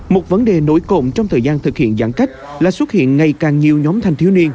một vấn đề nổi cộng trong thời gian thực hiện giãn cách là xuất hiện ngày càng nhiều nhóm thanh thiếu niên